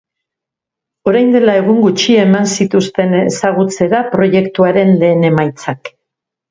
Orain dela egun gutxi eman zituzten ezagutzera proiektuaren lehen emaitzak.